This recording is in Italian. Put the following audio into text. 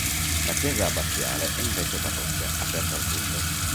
La chiesa abbaziale è invece parrocchia, aperta al culto.